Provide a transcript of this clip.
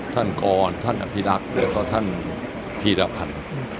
ท่านกรท่านอภิรักษ์เดี๋ยวกับท่านภีรภัณฑ์